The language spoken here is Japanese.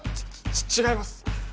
ち違います。